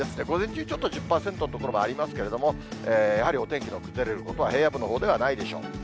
午前中、ちょっと１０％の所もありますけれども、やはりお天気の崩れることは、平野部のほうではないでしょう。